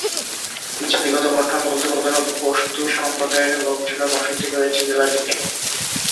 জাতিগত গঠন বলতে প্রধানত পশতু সম্প্রদায়ের লোকজনের বসতি রয়েছে জেলাটিতে।